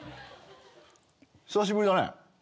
久しぶりだね。